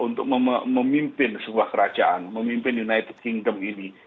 untuk memimpin sebuah kerajaan memimpin united kingdom ini